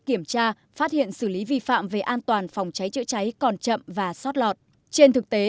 kiểm tra phát hiện xử lý vi phạm về an toàn phòng cháy chữa cháy còn chậm và sót lọt trên thực tế